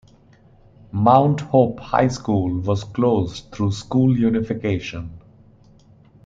Mount Hope High School was closed through school unification.